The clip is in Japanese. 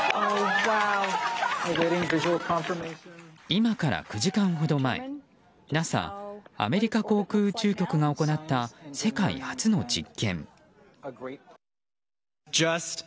今から９時間ほど前ＮＡＳＡ・アメリカ航空宇宙局が行った世界初の実験。